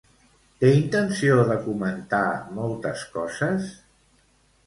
Té intenció de comentar moltes coses?